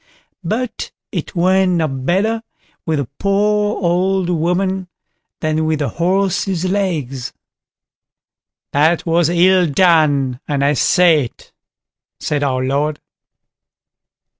But it went no better with the poor old woman than with the horse's legs. "That was ill done, and I say it", said our Lord.